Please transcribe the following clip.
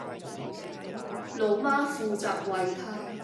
老媽負責餵她